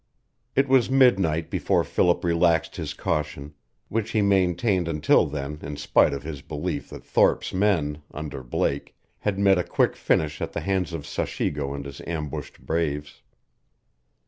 It was midnight before Philip relaxed his caution, which he maintained until then in spite of his belief that Thorpe's men, under Blake, had met a quick finish at the hands of Sachigo and his ambushed braves.